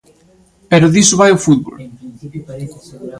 Pero diso vai o fútbol.